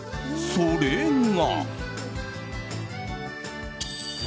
それが。